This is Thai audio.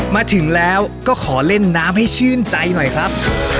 มาถึงแล้วก็ขอเล่นน้ำให้ชื่นใจหน่อยครับ